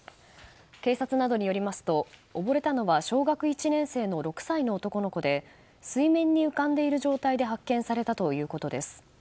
警察によりますとおぼれたのは小学１年生の６歳の男の子で水面に浮かぶ状態で発見されたということです。